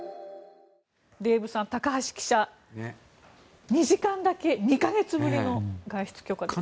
デーブさん、高橋記者２時間だけ２か月ぶりの外出許可です。